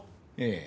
ええ。